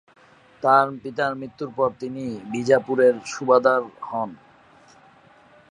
তার পিতার মৃত্যুর পর তিনি বিজাপুরের সুবাদার হন।